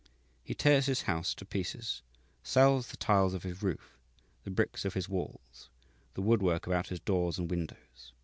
He tears his house to pieces, sells the tiles of his roof, the bricks of his walls, the woodwork about his doors and windows.